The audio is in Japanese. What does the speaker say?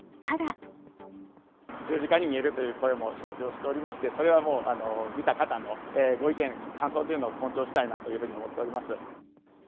十字架に見えるという声も承知をしておりまして、それはもう、見た方のご意見、感想というのを尊重したいなというふうに思っております。